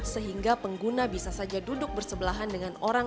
sehingga pengguna bisa saja duduk bersebelahan dengan orang